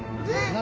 「何？」